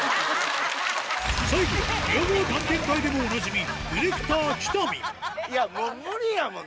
最後は「宮川探検隊」でもおなじみ